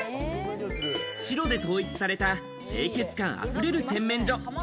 白で統一された清潔感あふれる洗面所。